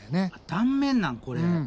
断面なんこれ！？